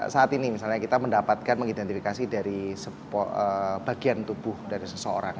saat ini misalnya kita mendapatkan mengidentifikasi dari bagian tubuh dari seseorang